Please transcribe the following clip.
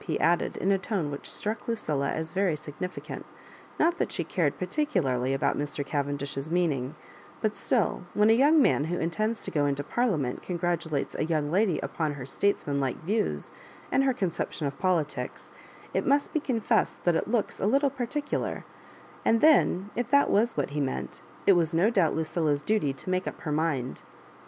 P. added, in a tone which struck Lu cilla as very significant ; not that she cared par ticularly about Mr. Cavendish's meaning, but still, when a young man who intends to go into Parliament congratulates a young lady upon her statesmanlike views and her concep tion of politics, it must be confessed that it looks a little particular ; and then, if that was what he meant, it was no doubt Lucilla's duty to make up her mind.